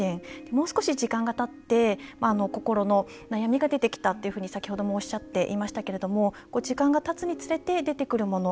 もう少し時間がたって心の悩みが出てきたっていうふうに先ほどもおっしゃっていましたけれども時間がたつにつれて出てくるもの